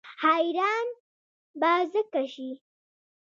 حیران به ځکه شي.